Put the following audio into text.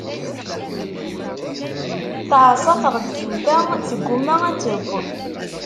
Teɛṣa tɣeddiwt-a, tgumma ad teww.